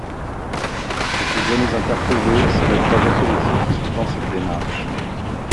Ce qui doit nous interpeller, c’est le projet politique qui sous-tend cette démarche.